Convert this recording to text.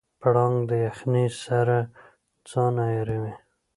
پړانګ د یخنۍ سره ځان عیاروي.